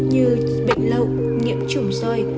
như bệnh lậu nhiễm trùng soi